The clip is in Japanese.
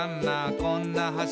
こんな橋」